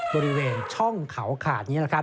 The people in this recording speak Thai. บริเวณช่องเขาขาดนี้